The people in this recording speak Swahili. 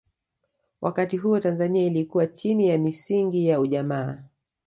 wakati huo tanzania ilikuwa chini ya misingi ya ujamaa